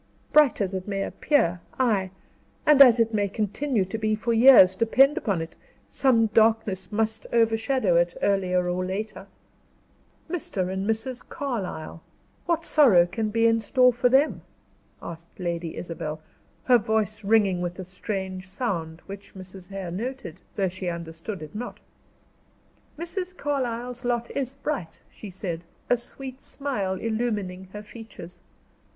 "Bright as it may appear, ay, and as it may continue to be for years, depend upon it, some darkness must overshadow it, earlier or later." "Mr. and Mrs. Carlyle what sorrow can there be in store for them?" asked Lady Isabel, her voice ringing with a strange sound, which Mrs. Hare noted, though she understood it not. "Mrs. Carlyle's lot is bright," she said, a sweet smile illumining her features.